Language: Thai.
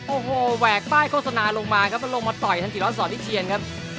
โอ้โหแหวกป้ายโฆษณาลงมาครับแล้วลงมาต่อยทางจิรัสสอนวิเชียนครับ